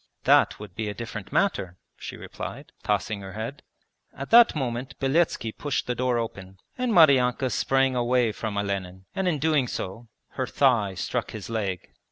'That would be a different matter,' she replied, tossing her head. At that moment Beletski pushed the door open, and Maryanka sprang away from Olenin and in doing so her thigh struck his leg.